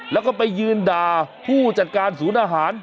แล้วก็ไปยืนด่าผู้จัดการศูนย์อาหาร